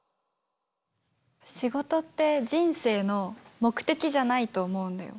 仕事って人生の目的じゃないと思うんだよ。